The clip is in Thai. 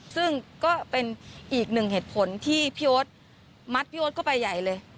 ซึ่งก็เป็นอีกหนึ่งเหตุผลที่พี่โอ๊ตมัดพี่โอ๊ตเข้าไปใหญ่เลย